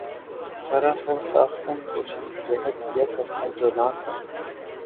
سراسر تاختن کو شش جہت یک عرصہ جولاں تھا